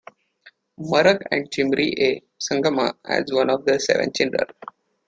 Marak and Chimri A. Sangma as one of their seven children.